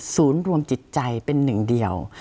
ศูนย์รวมจิตใจเป็นหนึ่งเดียว